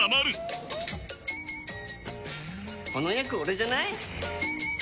この役オレじゃない？